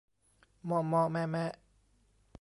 เมาะเมาะแมะแมะ